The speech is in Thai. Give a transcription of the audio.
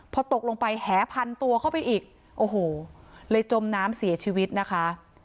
พอตกลงไปแหพันตัวเข้าไปอีกโอ้โหเลยจมน้ำเสียชีวิตนะคะ